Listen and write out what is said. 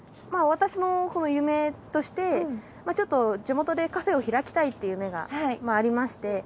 私の夢としてちょっと地元でカフェを開きたいという夢がありまして。